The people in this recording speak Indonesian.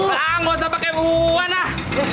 hah nggak usah pakai uang ah